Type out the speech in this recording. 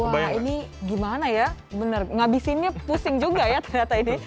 wah ini gimana ya bener ngabisinnya pusing juga ya ternyata ini